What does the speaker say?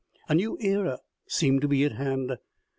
A new era seemed to be at hand.